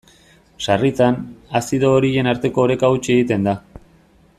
Sarritan, azido horien arteko oreka hautsi egiten da.